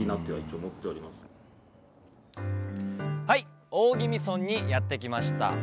はい大宜味村にやって来ました！